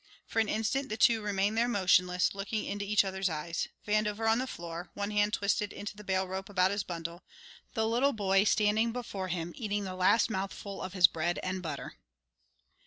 For an instant the two remained there motionless, looking into each other's eyes, Vandover on the floor, one hand twisted into the bale rope about his bundle, the little boy standing before him eating the last mouthful of his bread and butter.